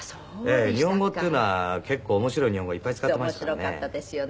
日本語っていうのは結構面白い日本語いっぱい使ってましたからね。面白かったですよね。